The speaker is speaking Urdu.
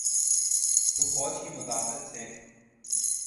تو فوج کی مداخلت سے۔